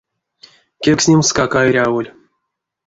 Кевкстнемскак а эряволь.